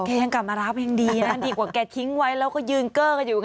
เคยยังกลับมารับเองดีนะดีกว่าแกทิ้งไว้แล้วก็ยืนก็ม่างอยู่